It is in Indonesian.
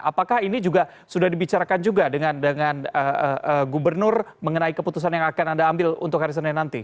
apakah ini juga sudah dibicarakan juga dengan gubernur mengenai keputusan yang akan anda ambil untuk hari senin nanti